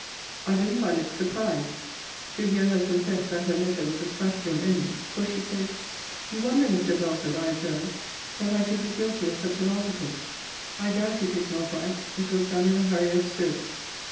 I believe I looked surprised to hear her confess that her letter was a stratagem only; for she said, You wonder, Mr. Belford, I observe, that I could be guilty of such an artifice. I doubt it is not right: it was done in a hurry of spirits.